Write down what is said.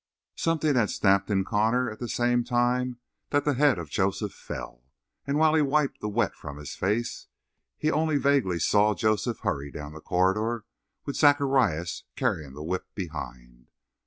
Something had snapped in Connor at the same time that the head of Joseph fell, and while he wiped the wet from his face he only vaguely saw Joseph hurry down the corridor, with Zacharias carrying the whip behind.